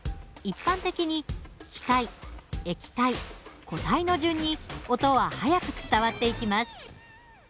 一般的に気体液体固体の順に音は速く伝わっていきます。